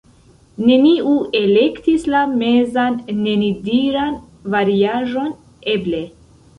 neniu elektis la mezan, nenidiran variaĵon "eble".